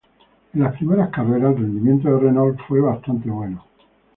En las primeras carreras, el rendimiento de Renault fue bastante bueno.